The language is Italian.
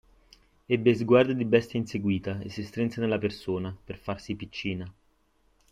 Ebbe sguardi di bestia inseguita, e si strinse nella persona, per farsi piccina.